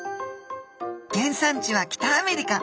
原産地は北アメリカ。